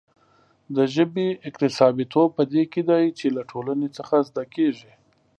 د ژبې اکتسابيتوب په دې کې دی چې له ټولنې څخه زده کېږي.